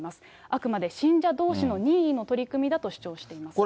あくまで信者どうしの任意の取り組みだと主張しています。